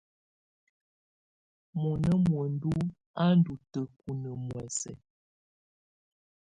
Mɔna muǝndù á ndɔ́ tǝ́kunǝ́ muɛsɛ.